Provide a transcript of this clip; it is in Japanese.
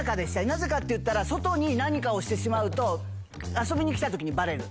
なぜかっていったら、外に何かをしてしまうと、遊びに来たときにばれる。